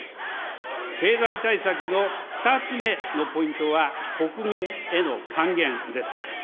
経済対策の２つ目のポイントは、国民への還元です。